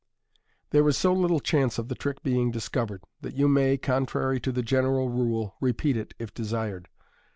There is so little chance of the trick being discovered, that you may, contrary to the general rule, repeat it if desired.